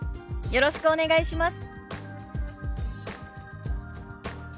よろしくお願いします。